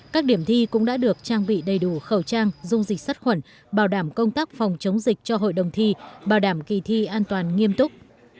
các điểm thi cũng đã được trang bị đầy đủ khẩu trang dung dịch sát khuẩn bảo đảm công tác phòng chống dịch cho hội đồng thi bảo đảm kỳ thi an toàn nghiêm túc